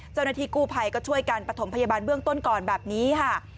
เจ้าหน้าที่กู้ภัยก็ช่วยกันประถมพยาบาลเบื้องต้นก่อนแบบนี้ค่ะ